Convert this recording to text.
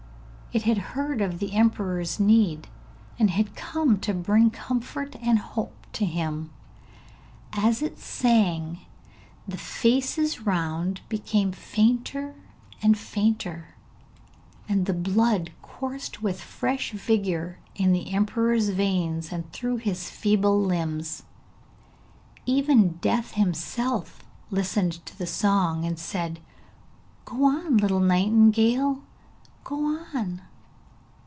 It had heard of the emperor's need, and had come to bring comfort and hope to him. As it sang the faces round became fainter and fainter, and the blood coursed with fresh vigour in the emperor's veins and through his feeble limbs. Even Death himself listened to the song and said, 'Go on, little nightingale, go on!'